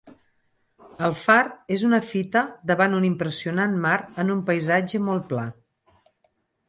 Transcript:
El far és una fita davant un impressionant mar en un paisatge molt pla.